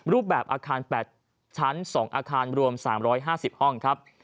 รูปแบบอาคาร๘ชั้น๒อาคารรวม๓๕๐ห้องครับ